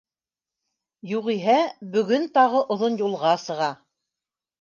Юғиһә, бөгөн тағы оҙон юлға сыға